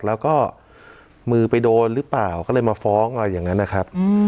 แล้วก็มือไปโดนหรือเปล่าก็เลยมาฟ้องอะไรอย่างนั้นนะครับ